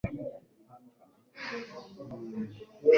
mu ijuru ati uri umwana